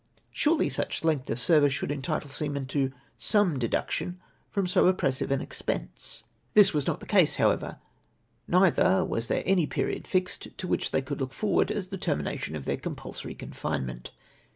Surely such length of service should entitle seamen to some deduction from so oppressive an expense ! This was not the case, however ; neither was there any period fixed to which they could look forward as the termination of their compulsory confinement.